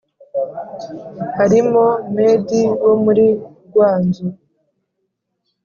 harimo medi wo muri gwanzu